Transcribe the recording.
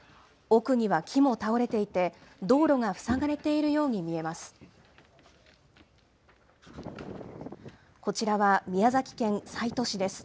奥には木も倒れていて、道路が塞がれているように見えます。